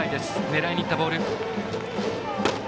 狙いにいったボール。